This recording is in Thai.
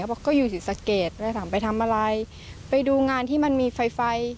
บอกก็อยู่ศรีสะเกดเลยถามไปทำอะไรไปดูงานที่มันมีไฟไฟ